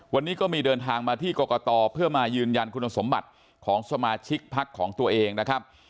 วันนี้ก็มีเดินทางมาที่กรกตเพื่อมายืนยันคุณสมบัติของสมาชิกพักของตัวเองนะครับ